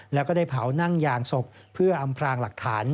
แล้วก็ได้เผานั่งยางศพเพื่ออำพลางหลักฐาน